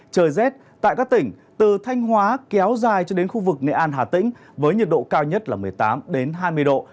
trời rét tại các tỉnh từ thanh hóa kéo dài cho đến khu vực nghệ an hà tĩnh với nhiệt độ cao nhất là một mươi tám hai mươi độ